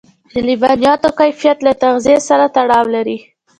د لبنیاتو کیفیت له تغذيې سره تړاو لري.